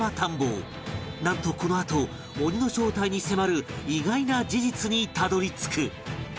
なんとこのあと鬼の正体に迫る意外な事実にたどり着く